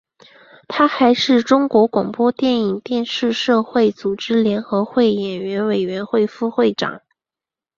他还是中国广播电影电视社会组织联合会演员委员会副会长。